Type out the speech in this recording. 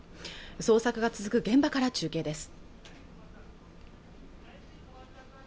捜索が続く現場から中継です